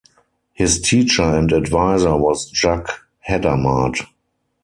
His teacher and advisor was Jacques Hadamard.